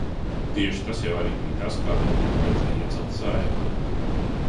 Tieši tas jau arī bija tas, kādēļ viņu vajadzētu iecelt Saeimai.